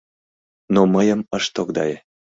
Но мыйым ыш тогдае.